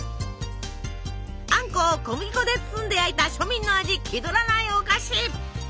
あんこを小麦粉で包んで焼いた庶民の味気取らないお菓子。